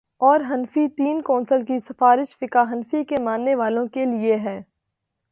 اورحنفی تین کونسل کی سفارش فقہ حنفی کے ماننے والوں کے لیے ہے۔